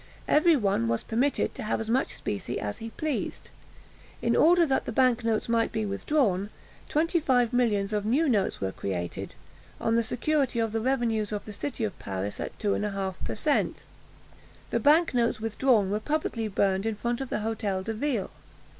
Every one was permitted to have as much specie as he pleased. In order that the bank notes might be withdrawn, twenty five millions of new notes were created, on the security of the revenues of the city of Paris, at two and a half per cent. The bank notes withdrawn were publicly burned in front of the Hôtel de Ville.